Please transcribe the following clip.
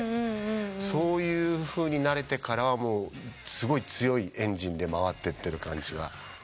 そういうふうになれてからはすごい強いエンジンで回ってってる感じがしましたね。